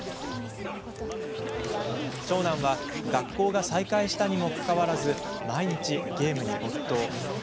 長男は、学校が再開したにもかかわらず、毎日ゲームに没頭。